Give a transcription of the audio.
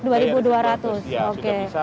dua ribu dua ratus ya sudah bisa